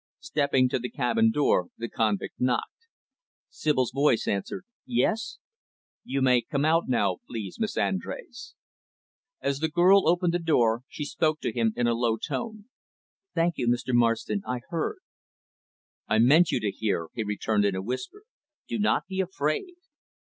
Stepping to the cabin door, the convict knocked. Sibyl's voice answered, "Yes?" "You may come out now, please, Miss Andrés." As the girl opened the door, she spoke to him in a low tone. "Thank you, Mr. Marston. I heard." "I meant you to hear," he returned in a whisper. "Do not be afraid."